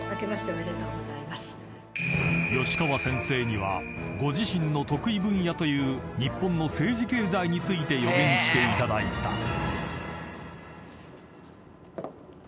［吉川先生にはご自身の得意分野という日本の政治経済について予言していただいた］